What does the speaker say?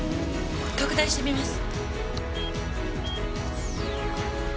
拡大してみます。